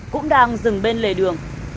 cũng đang dừng bên lề đường